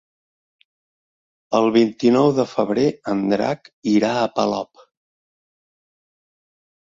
El vint-i-nou de febrer en Drac irà a Polop.